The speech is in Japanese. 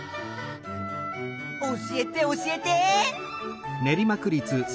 教えて教えて！